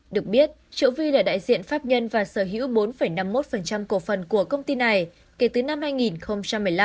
được biết triệu vi là đại diện pháp nhân và sở hữu bốn năm mươi một cổ phần của công ty này kể từ năm hai nghìn một mươi năm